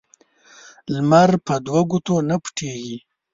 لمر په دوه ګوتو نه پټیږي